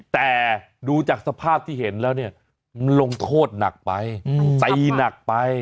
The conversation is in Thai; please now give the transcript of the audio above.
แต่ดูจากสภาพที่เห็นแล้วเนี่ยมันลงโทษหนักไปตีหนักไป